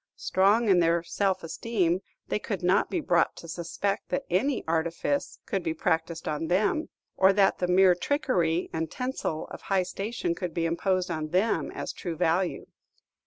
Strong in their self esteem, they could not be brought to suspect that any artifice could be practised on them, or that the mere trickery and tinsel of high station could be imposed on them as true value.